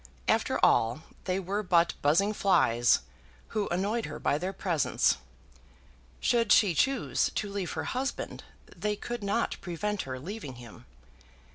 After all, they were but buzzing flies, who annoyed her by their presence. Should she choose to leave her husband, they could not prevent her leaving him.